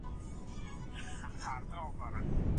ناوړه عرفونه بايد ژر تر ژره له منځه لاړ سي.